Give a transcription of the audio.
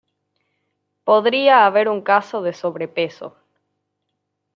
Podría haber un caso de sobrepeso.